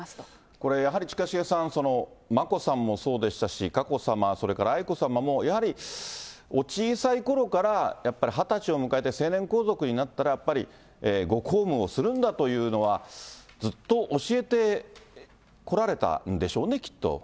これ、やはり近重さん、眞子さんもそうでしたし、佳子さま、それから愛子さまも、やはりお小さいころから、やっぱり２０歳を迎えて成年皇族になったら、やっぱりご公務をするんだというのは、ずっと教えてこられたんでしょうね、きっと。